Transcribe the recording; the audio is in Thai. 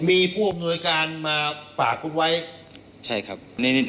มีการที่จะพยายามติดศิลป์บ่นเจ้าพระงานนะครับ